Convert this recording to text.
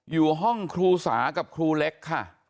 อยู่ห้องครูสากับครูเล็กค่ะ